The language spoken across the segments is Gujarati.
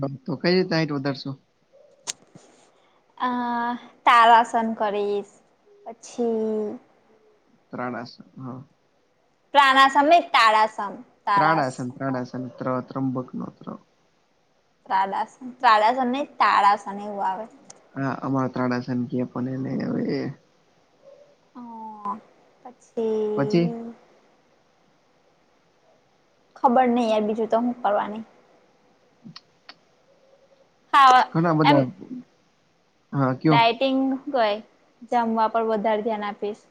બસ તો કઈ રીતે હાઇટ વધારશો અ તારાસન કરીશ પછી ત્રાડાસન ત્રાડાસન નહિ તાડાસન ત્રાડાઆસન ત્રાડાઆસન ત્ર તમબક નો ત ત્રાળસન ત્રાડાસન નહિ તાળાસન એવું આવે હા અમારા ત્તાળાસાન કે એને હવે હમ પછી પછી હમ. ખબર નહિં યાર, બીજું તો હું કરવાની. [unintelligible] હા. ના બધા. હા કયો ડાયટિંગ કઈ જમવા પર વધારે ધ્યાન આપીશ.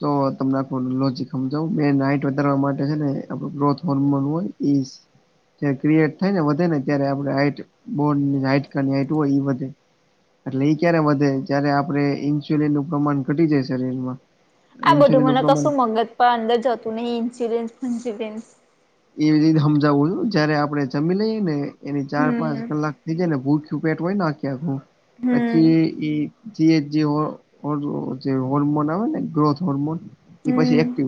તો તમને આ લોજીક સમજાવુ, મેઇન હાઇટ વધારવા માટે છે ને, આપણું ગ્રોથ હોર્મોન હોય. ક્રિએટ થાય ને, વધે ને, ત્યારે આપણે હાઈટ બોનની હાડકા ની હાઈટ હોય એ વધે. એટલે એઈ ક્યારે વધે, જયારે આપણે ઈન્સ્યુલિન નું પ્રમાણ ઘટી જાય શરીરમાં. આ બધું ઇન્સ્યુલિન નું મને પ્રમાણ કશું મગજ પણ અંદર જતું નહિં, ઇન્સુરિઅન્સ ફિન્સુરિઅન્સ. એવી રીતે સમજાવું છું, જયારે આપણે જમી લઈએ ને, એની ચાર-પાંચ હમ કલાક. ને ભૂખૂપેટ હોય ને, ત્યાર નુ હું હમ પછી એ જે હોર્મોન આવે ને, ગ્રોથ હોર્મોન એ પછી. હમ એક્ટિવ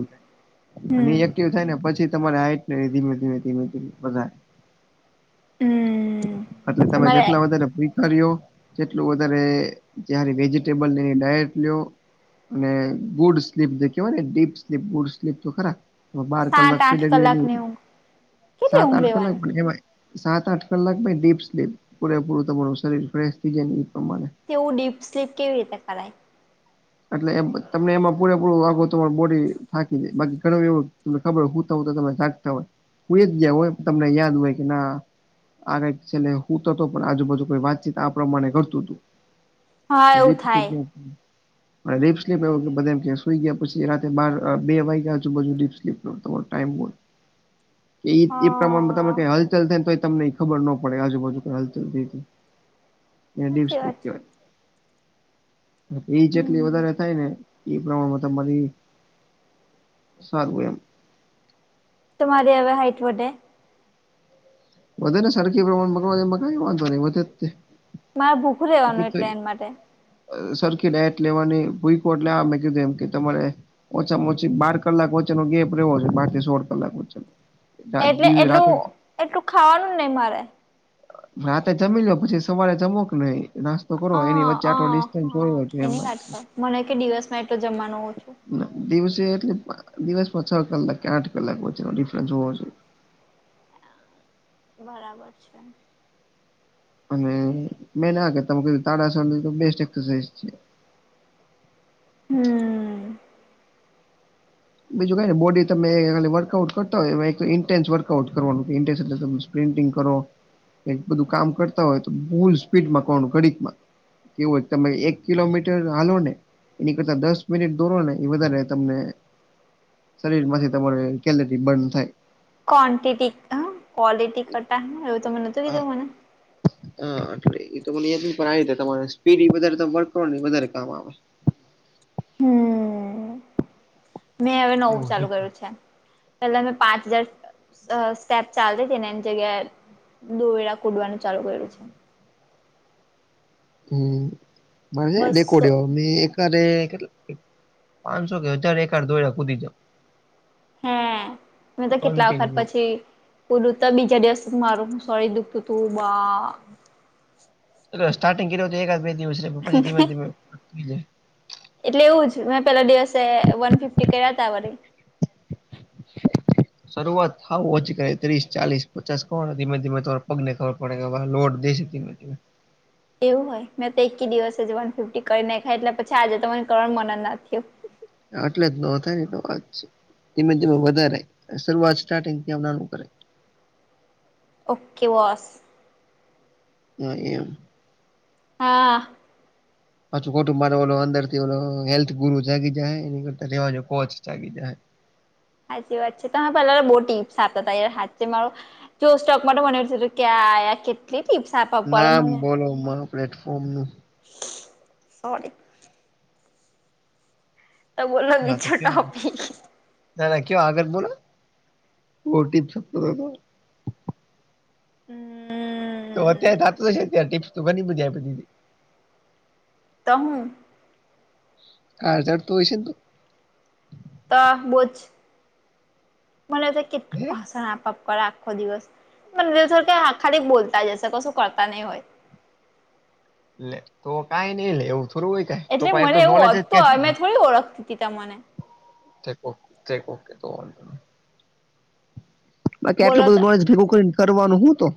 હમ થાય ને, પછી તમારે હાઇટ. મે ધીમે-ધીમે બધે. હમ એટલે તમે તમારે જેટલા વધારે. વધટ [unintelligible] અને બુડ સ્લીપ જે કેવાય ને, ડીપ સ્લીપ, બુડ સ્લીપ તો ખરા. બાર સાત કલાક આઠ પીડર્યું, એ કલાકની ઊંઘ કેટલી ઊંઘ સાત-આઠ કલાક લેવાની પણ એમાંય. સાત-આઠ કલાક ભી ડીપ્સ-લીપ પૂરેપૂરું તમારું શરીર ફ્રેશ થઇ જાય ને, એ પ્રમાણે. તેવું ડીપ સ્લીપ કેવી રીતે કરાય? એટલે તમને એમાં પૂરેપૂરું વાઘોર બોડી થાકી દે, બાકી ઘણું એવું. તમને ખબર હોય, હું તો હું તો તમે જાગતા હોય, હું એ જ ગયા હોય, તમને યાદ હોય કે ના. આ ક છેલ્લે, હું તો તો પણ આજુબા કોઈ વાતચીત આ પ્રમાણે કરતું હતું. હા એવું એીપ. થાય [unintelligible] રીપ સ્લીપ એ સુઈ ગયા પછી રા બ બે વાગયાીપ સ્પ તમારો ટાઈમ બ [unintelligible] કે એ પ્રમાણમાં હા તમે હલચલ થાય ને તો. તમને ખબર ન પડે, આજુબજુ ક હાલ ચ હતી. એ સાચી વાત છે વિશ્વા કેટલી હમ વધારે થાય ને, એ પ્રમાણમાં તમારી સારું એમ. તમારી હવે હાઇટ વધે‌. વધે ને, સરખી પ્રમાણ માં મકાય વાંધો નહી વધે જ. મારે ભૂખું બાકી રહેવાનું, તો એટલે અ, એના માટે. સરખી લ એટ લેવાની ભૂઈકો એટલે આ મેં કીધું, એમ કે તમારે. ઓછામાં ઓછી બાર કલાક વચ્ચેનો ગેપ રહવો છે, બાર થી સોળ કલાક વચ્ચેનો. એટલે દી રાતે એટલું, એટલું ખાવાનું જ નહી મારે. આતે જમી લયો, પછી સવારે જમો કે ન નાસ્તો. કરો હ, એની વચ્ચે હ, આટલો હ, ડિસ્ટન્સ હોવો જોઈએ એમ એની વાત છે. કરે, મને કે દિવસમાં એટલો જમવાનું હોય. દિવસે એટલે દિવસમાં છ કલાક કે, આઠ કલાક વચ્ચેનો ડિફરન્સ હોવો જોઈએ. બરાબર છે. અને મે આગે ત કીધ તા બેસ્ટ એસરસા છે. [unintelligible] હમ. બીજું કઈ ને, બોડી તમે ખાલી વર્કઆઉટ કરતા હોય, એક ન્ટેન્ વર્આઉટ કરવાનું ઇન્ટેન્સ એટલે. પ્રિન્ટિંગ કરો, એક બધું કામ કરતા હોય તો, ભૂલ સ્પીડમાં કોણ ઘડીક માં. કેવું તમે એક કિલોમીટર હાલો ને. એની કરતા દસ મિનિટ દોરો ને એ વધારે તમને શરીર માંથી તમાર કેલરી બર્ન થાય. ક્ન્ટિટી હ ક્વોલિટી કટા એવું તમે નતું હા કીધું મને. હા એટ એ તો મને યાદ ન પણ આવીતે તમા સ્પીડ વધ વર્ક વધારે કામ આવે. હમ. મેં હવે નવું ચાલુ કર્યું છે. પેલા મેં પાંચ હજાર સ્ટેપ ચાલતી હતી ને એની જગ્યાએ દોવેેરા કુદવાનું ચાલુ કરયું છે. હમ મા છે બસો ડેકોડ્યો. એક પાંચસો કે હજાર એકર ધોયા્યા કૂદી જઓ. હમ મેં તો કેટલા વખત કન્ટિન્યુ પછી પુલું તો બીજા દિવસ સુ મારું સોરી દુખતું તું બા. સ્ટાર્ટિંગ કર તો એકાદ બે દિવસ પછી ધીમે ધીમે થઈ જાય. એટલે એવું જ મેં પેલા દિવસે વન ફિફ્ટી કર્યા ત વરી. શરૂઆત થ ઓછી કર ત્રીસ ચાલીસ પચાસ કોણ ધીમે ધીમે તમારા પગ ને ખબર પડ. પડે લોડ દે છે તીનજેમાં. એવું હોય મેં તો એક જ દિવસે જ વન ફિફ્ટી કરી નાખાય એટલે પછી આજે તને કર મનન નથી. આટલે જ ન થાય ને તો વાત છે ધીમે ધીમે વધારે શરૂઆત સ્ટાર્ટિંગ નાનું કરે. Okay boss. હ એમ. હા. પાછું કુટુંબર ઓ અંદર થી ઓ હેલ્થ ગુરુ જાગી જાય એ કરતા રેવાજો કોચ જાગી જાય. સાચી વાત છે તમે પહેલા બહુ ટીપ્સ આપતા હતા યાર હા છે મારો જો સ્ટોક માટે મશે ક્યા કે ટીપ્સ આપ ના બોલો પ્લેટફોર્મ નું સ [unintelligible] તો બોલો હા બી તો છો કયો ટોપિક ના ના કવ આગત બોલો ટ હમ. તો અત્યારે થતતોશે અ્યારે ટીપ્સ તો ઘની બજાયધી. તહું. કારજાર તો હો છે તો. તો બોજ, મને કેટલું હે ભાષણ આપ. આખો દિવસ, મ દ આખા બોલતા જશે કશું કરતા નહી હોય. એટલે તો કઈ નઈ લે એવું થોરું હોય. કાઈ તો એટલે પણ મને એટલું એવું નોલેજ વધતું હો મેં થોડી ઓળખતી તી ત મને. તે તે કોકે તો બાકી આટલ બોલો તો બધું નોલેજ ભેગું કરીને કરવાનું હું તો.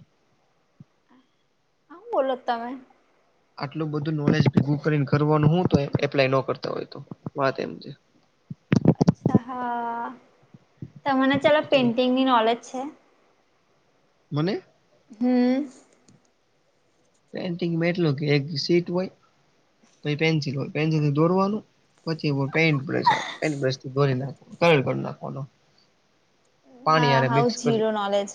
હું બોલો તમે? આટલું બધું નોલેજ ગુગને કરવાનું તો એપ્લાય ન કરતા હોય તો વાત એમ છે. અચ્છા હા ત મને ચાલો એ તો પેઇન્ટિંગની નોલેજ છે. મને? હમ. પેન્ટિંગ એટલું કે એક સીટ હોય, તો પેન્સિલ હોય પેન્સિલ દોરવાનું. પછી પેન્ટ બ પેન્ટ બ્રથીોરી નાખ કર નાખવાનો [unintelligible] પાણી હા યારે હાવ મિક્સ કરી. જીરો નોલેજ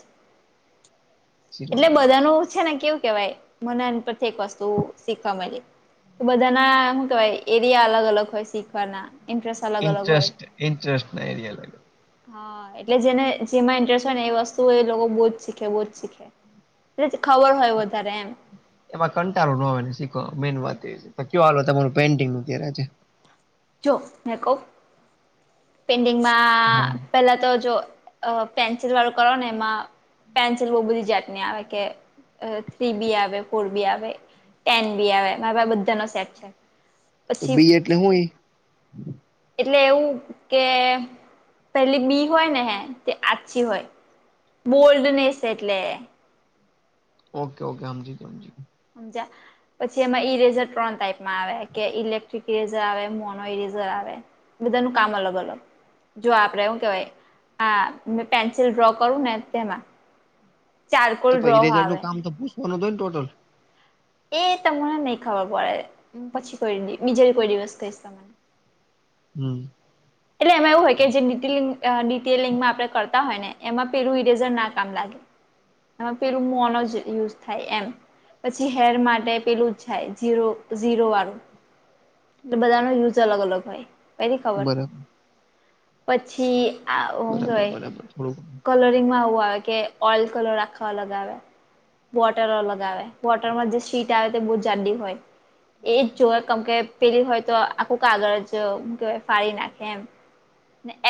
એટલે બધાનું છે ને, કેવું કેવાય મના પરથી એક વસ્તુ શીખવા મળે. તો બધા ના શું કેવાય, એરિયા અલગ-અલગ હોય, શીખવાના ઇન્ટરેસ્ટ અલગ અલગ હોય ઇન્ટરેસ્ટ, ઇન્ટરેસ્ટ ના એ લ. હા, એટલે જેને જેમાં ઇન્ટરેસ્ટ હોય ને, એ વસ્તુ એ લોકો બહુ જ સીખે બહુ જ સીખે. એટલે ખબર હોય, વધારે એમ. એમાં કંટાળો ન હોય ને શીખ, મેન વાત એ કયો તમારું પેન્ટિંગ નું છે. જો પેડિંગમાં. હા. પહેલા તો જો પેન્સિલ વાળું કરો ને, એમાં પેન્સિલ બહુ બધી જાતી. તને કે. થ્રી બી આવે, ફોર બી આવે, ટેન બી આવેરા બધા નો સેટ છે. તો પછી બી એટલે હું એ. એટલે એવું કે, પેલી બી હોય ને, હે તે આછી હોય. બોલ્ડનેસ એટલે. ઓકે, ઓકે, હાજીજી. સમજી. પછી એમાં ઇરેઝર ત્રણ ટાઈપમાં આવે કે, ઇલેક્ટ્રિક ઇરેઝર આવે, મોનો ઇરેઝર આવે. બધાનું કામ અલગ-અલગ. જો આપડે એવું કેવાય. હ, મે પેન્સિલ ડ્રો કરું ને, તેમાં ચાર કોલ ડ્રો આવે. બો દ ટોટલ [unintelligible] એ તમને નહી ખબર પડે, હું પછી કો બીજે કોઈ દિવસ કહીશ તો મને. હમ. એટલે એમાં એવું હોય કે, જેિટેલિંગમાં આપણે કરતા હોય ને, એમાં પેલું ઈરેઝર ના કામ લાગે. એમાં પેલું મોન જ યુઝ થાય એમ. પછી હેર માટે પેલું જ થાય, ઝીરો ઝીરો વાળું. એટલે બધાનો યુઝ અલગ-અલગ હોય, પેલી ખબર. બરાબર પછી આ બરાબર કહેવાય, બરાબર થોડુંક કલરિંગમાં એવું આવે કે. ઓઈલ કલર રાખવા લગાવ્યા. બોટર અલગ આવે, બોટર માં જે સીટ આવે તે, બહુ જાડી હોય. એજ જોવે કેમ કે, પેલી હોય તો, આખું કાગળ જ કેવાય ફાડી નાખે. કેમ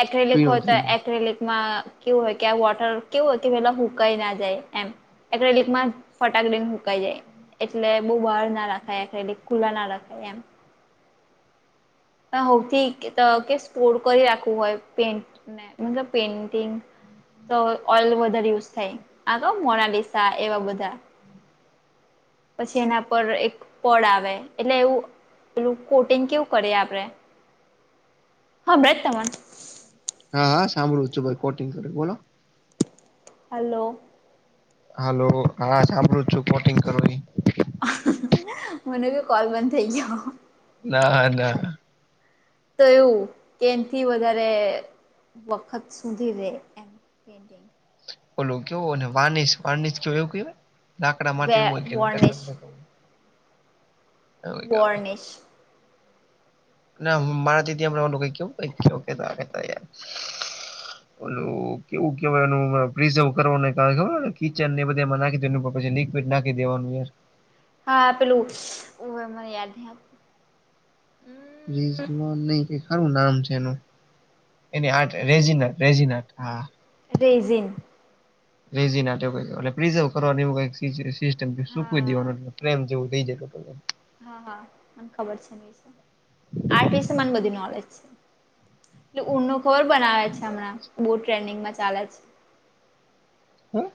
એક્રેલિક પીળો હોય, તો થઈ જાય એક્રેલિકમાં કેવું હોય કે, આ વોટર કેવું હોય કે, પેલા હુકાઈ ના જાય એમ. એક લીક માં ફટાકડી ને મુકાઈ જાય. એટલે બહુ બહાર ના રાખાયલી, કુલા ના રખાય એમ. હ, થી કે સ્પોડ કરી રાખવું હોય, પેન્ટને માં પેઇન્ટિંગ. તો ઓઇલ વધારે યુઝ થાય, આ તો મોનાલીસા એવા બધા. પછી એના પર એક પડે આવે, એટલે એવું પેલું કોટિંગ કેવું કરીએ આપડે. હા બતા મ [unintelligible] હા, હા, સાંભળું છું ભાઈ, કોટિંગ કરે બોલો. હલો. હાલો, હા, સાંભળું જ છું, પોટિંગ કરવી. મને કો કોલ બંધ થઇ ગયો. ના ના. તો એવું કે એનથી વધારે વખત સુધી રે પેઇન્ટિંગ ઓલો કેવો ને વાનીસ વાનીસ કેવ એવું કેવાય લાકડા માટે વે એવું હોય વોર્નિશ કે કે બોર્નેિશ ના માટી થી આપડે ઓલું કેવ ક [unintelligible] ઓલું કેવું કેવાનું પ્રિઝર્વ કરવાનું એક આવે ખબર કિચન ને એ બધા એમાં નાખી એ પછી નાખી દેવાનું હે. હા પેલું ઓ એમ અ યાદ નય આવતું રિઝવાન ને એકાદું નામ છે એનું એની હાત રેઝિના રેઝિના હા. રેઝિન રેઝીન આ તો કેય ઓલું પ્રિઝર્વ કરવા દેવું કઈ સિસ્ટમ થી સુૂકવી હા દેવાનું ને એમ જવું કય જતો કર હે હા હા મને ખબર છે વિશે આર્ટ વિશે મને બધું નોલેજ છે. એટલે ઊંનું નું ખોર બનાવે છે હમણાં બો ટ્રેન્ડિંગમાં ચાલે છે. હા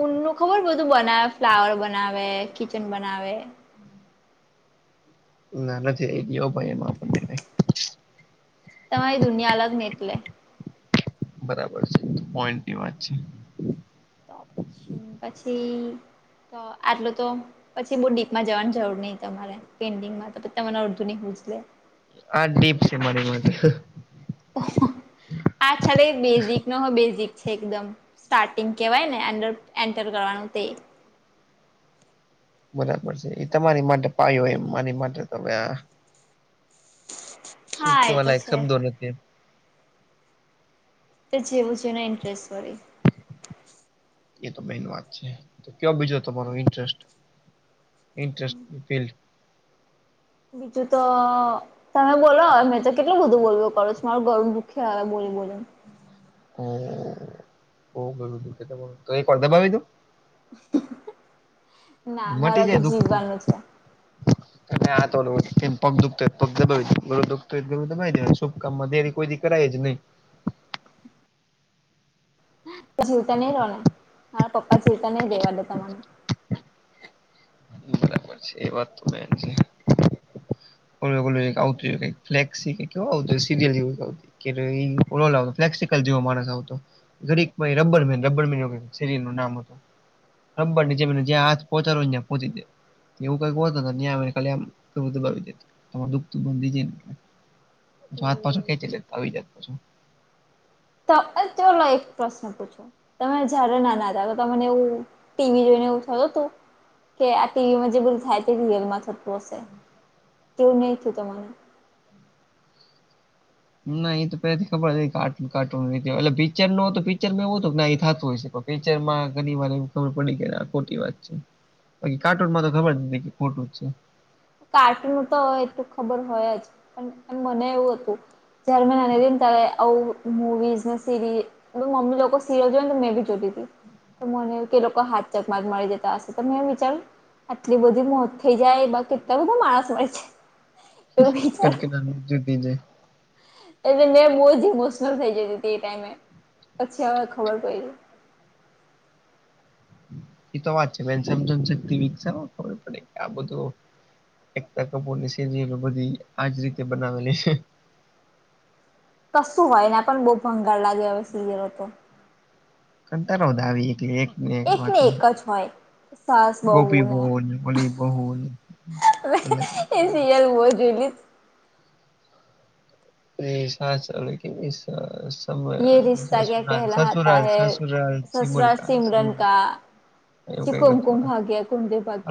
ઉન નું ખબર બધું બનાવે ફ્લાવર બનાવે, કિચન બનાવે ના નથી એ ગયો ભાઈ એમાં પણ તમાંરી દુનિયા અલગ ને એટલે બરાબર છે પોઈન્ટ ની વાત છે. તો પછી પછી તો આટલું તો પછી બે ડીપમાં જવાની જરૂર નહિ તમારે પેન્ટિંગમાં તો તમારે અર્ધુ નય પૂછ્યું થી હા દીપ છે મને [unintelligible] આ છેડે બેઝિક નો બેઝિક છે એકદમ સ્ટાર્ટિંગ કેવાય ને અડર એન્ટર કરવાનું તે બરાબર છે એ તમારી માટે પાયો હોય એ મારી માટે તો આ શુ હા એ કેવા તો લાયક છે શબ્દો નથી એમ તો જેવું જેને ઇન્ટરેસ્ટ હોય એ તો મેઈન વાત છે તો કેવો બીજો તમારો ઇન્ટરેસ્ટ ઇન્ટસ્ટ ફ બીજું તો તમે બોલો મેં તો કેટલું બધું બોલવું પડે છે મારું ઘરુ નું ખ્યાલ બોલ બોલે હમમ બો બધું દુખે તમારુ કઈ [unintelligible] ને લીધે ના મારે તો જીવવાનું છે. [inaudible] તમે આતો એમ પગ દુખતો હોય પગ દબાવી દે, ગળું દુખતું હોય ગળું દબાવી દે શુભ કામમાં દેરી કોઈ દી કરાય જ નય. એટલે તમે રો મારા પપ્પા જીવતા નય રહ્યા [unintelligible] બરાબર છે એ વાત તો બેન છે. તમે મને આવું કઇ ફ્લેક્સી કીહો કે સિનિયર જેવું આવતી કે રેય ફોલ આવુ ફ્લેક્સિકલ જેવો માણસ આવતો ઘડીક માં રબર મેન રબર મેન શરીર નું નામ હતું. રબર ની જેમ જ્યાં [unintelligible] પહોંચાડો ને નેમ પહોંચી ગીયા યોગા કરવાથી અહિયા ખાલી એમ ગળું દબાવી દેત તમાર દુખતું બંધ થઈ જાય ને એટલે પાછો હાથ પાછો હમ ખેંચી જેતા આવી જાયત પાછો. તો એક પ્રશ્ન પૂછો. તમે જ્યારે નાના હતા તને એવું ટીવી જોઈને એવું થયુ તું કે આ ટીવીમાં જે બધું થાય તે રિયલમાં થતું હશે કેવું નહી થયું તમાને ના એ તો પેલાથી ખબર હતી પિક્ચર ન તો પિક્ચરમાં એવું હતું એ થતું હોય છે. વિચર માં ઘણી વાર એ ખબર પડી ગઈ આ ખોટી વાત છે. બાકી કાર્ટૂન માં તો ખબર જ નથી કે ખોટું જ છે. કાર્ટૂન નું તો એ ત ખબર હોય જ પણ એ મને એવું હતું જર્મનને તતાારે અ મૂવીઝ ન સીરીઝ મમ્મી લોકો સિરિયલ જોઈ ને મેં બી જોતી હતીી તો મને કે લોકો હાચક માં મારી જતા હશે તો મે વિચાર આટલી બધી મોત થઈ જાય એ બધું માણસ હોય છે. એવું વિચારું [unintelligible] એટલે મેં બહુ જ ઇમોશનલ થઈ જતી હતી એ ટાઈમે પછી હવે ખબર પડી એ તો વાત છે જન શક્તિ વિકસાવો માં ખબર પડે આ બધું એકતા કપૂર ની સેું બધી આજ રીતે બનાવેલી છે. કશું હોય ને પણ બહુ ભંગાર લાગે હવે સિરયરો તો કરતા રહોતા આવી એકલે એક એક ને એક જ હોય સાસ બહુ ગોપી ને બહુલ અલી બહુલ એ સિરિયલ હોવે જોઈ લી [unintelligible] ચાલે કેવી છે. સમ યે રિશ્તા ક્યા સસુરા કહેલાતા સસુરાલ હૈ સસુરા સિમલ સસુરાલ કા સિમરન સિમલ કા પછી કુમકુમ ભાગ્યા તુમ દે ભાગ્ય